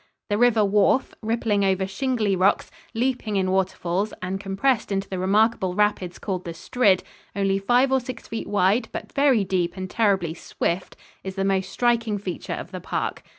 The River Wharfe, rippling over shingly rocks, leaping in waterfalls and compressed into the remarkable rapids called the Strid, only five or six feet wide but very deep and terribly swift, is the most striking feature of the park.